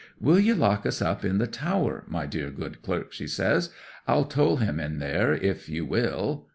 Will ye lock us up in the tower, my dear good clerk?" she says. "I'll tole him in there if you will."